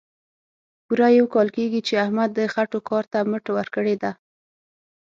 پوره یو کال کېږي، چې احمد د خټو کار ته مټ ورکړې ده.